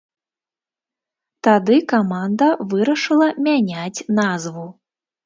Тады каманда вырашыла мяняць назву.